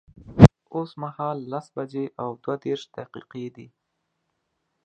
اوس مهال لس بجي او دوه دیرش دقیقی دی